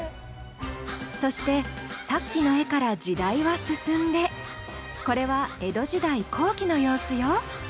そしてさっきの絵から時代は進んでこれは江戸時代後期の様子よ。